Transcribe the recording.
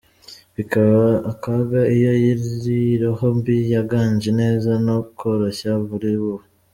Bikaba akaga iyo iyi roho mbi yaganje ineza no koroshya muri wowe.